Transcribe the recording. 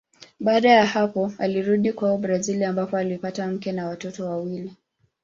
Baada ya hapo alirudi kwao Brazili ambapo alipata mke na watoto wawili.